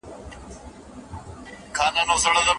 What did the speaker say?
که قلم نه وي نو انسان د بیان یوه لاره له لاسه ورکوي.